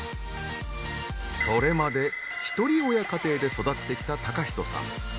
それまでひとり親家庭で育ってきた貴仁さん。